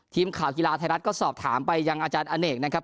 ทีมข่าวกีฬาไทยรัฐก็สอบถามไปยังอาจารย์อเนกนะครับ